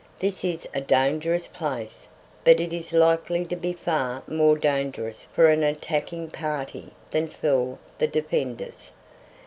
This is a dangerous place, but it is likely to be far more dangerous for an attacking party than for the defenders.